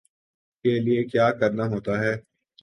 کے لیے کیا کرنا ہوتا ہے